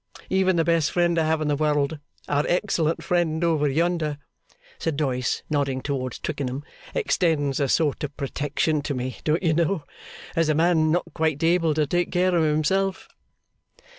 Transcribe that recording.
Even the best friend I have in the world, our excellent friend over yonder,' said Doyce, nodding towards Twickenham, 'extends a sort of protection to me, don't you know, as a man not quite able to take care of himself?